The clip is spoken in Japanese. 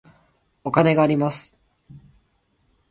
お金があります。